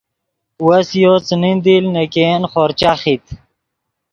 وس یو څیمین دیل نے ګین خورچہ خیت